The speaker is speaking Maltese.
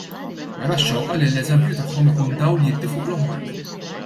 Wera x-xewqa li l-eżempju tagħhom ikun dawl jiddi fuq l-oħrajn.